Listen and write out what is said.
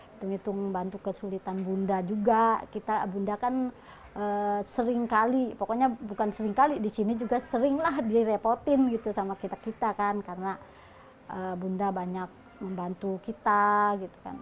itu membantu kesulitan bunda juga kita bunda kan sering kali pokoknya bukan sering kali di sini juga seringlah direpotin gitu sama kita kita kan karena bunda banyak membantu kita gitu kan